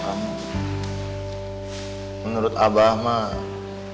kita di sini dari ukuran grand hinaus